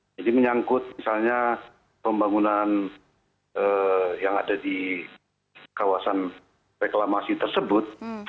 jadi menyangkut misalnya pembangunan yang ada di kawasan reklamasi tersebut